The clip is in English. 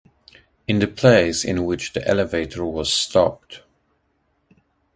In the place in which the elevator was stopped.